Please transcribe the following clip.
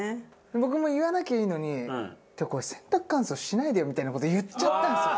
僕も言わなきゃいいのに「これ洗濯乾燥しないでよ」みたいな事言っちゃったんですよ。